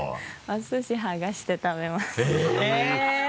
おすし剥がして食べます。